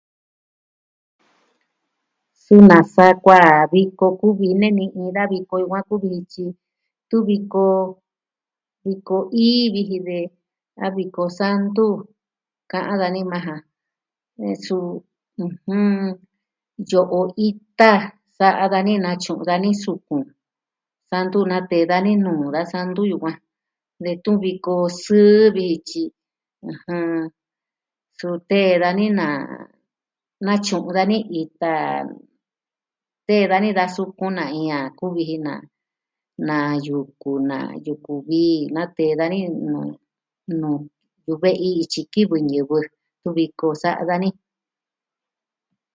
Suu nasa kuaan viko kuvi neni iin da viko yukuan kuvi ji tyi tun viko, viko ii viji de a viko santu. ka'an dani maa ja. E su.... yo'o ita sa'a dani natyu'un dani sukun. Santu natee dani nuu da santu yukuan detun viko sɨɨ vi tyi suu tee dani na natyu'un dani ita. Tee dani da sukun na iin a kuvi ji na, na yuku na yuku vii natee dani nuu, nuu yu'u ve'i ityi kivɨ ñivɨ tun viko sa'a dani.